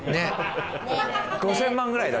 ５０００万ぐらいだ。